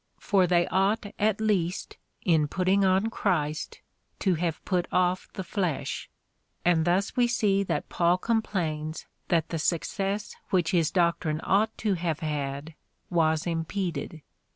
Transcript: For they ought at least, in putting on Christ, to have put oiF the flesh ; and thus we see that Paul complains that the success which his doctrine ought to have had was impeded.